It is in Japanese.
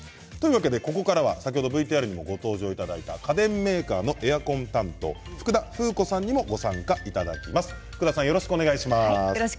ここからは先ほどＶＴＲにもご登場いただいた家電メーカーのエアコン担当福田風子さんにもご参加いただきます。